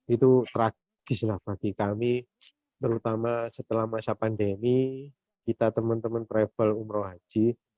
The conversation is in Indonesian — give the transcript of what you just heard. itu tragis lah bagi kami terutama setelah masa pandemi kita teman teman travel umroh haji